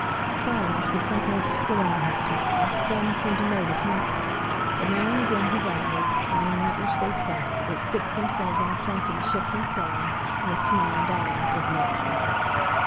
Silent, with something of scorn in his smile, Soames seemed to notice nothing; but now and again his eyes, finding that which they sought, would fix themselves on a point in the shifting throng, and the smile die off his lips.